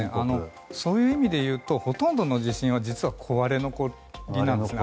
そういう意味でいうとほとんどの地震は実は割れ残りなんですね。